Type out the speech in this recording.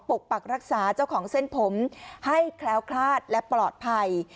ปกปักรักษาเจ้าของเส้นผมให้แคล้วคลาดและปลอดภัย